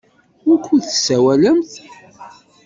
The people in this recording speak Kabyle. Wukud tessawalemt?